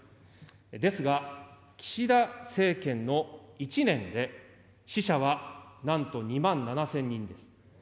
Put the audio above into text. ですが、岸田政権の１年で、死者はなんと２万７０００人です。